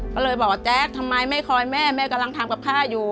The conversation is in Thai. ก็เลยบอกว่าแจ๊คทำไมไม่คอยแม่แม่กำลังทำกับข้าวอยู่